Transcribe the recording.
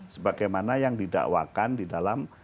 sebagaimana yang didakwakan di dalam